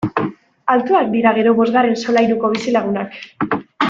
Altuak dira gero bosgarren solairuko bizilagunak!